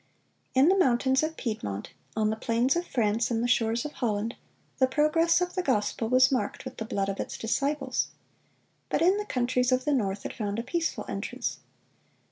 In the mountains of Piedmont, on the plains of France and the shores of Holland, the progress of the gospel was marked with the blood of its disciples. But in the countries of the North it found a peaceful entrance.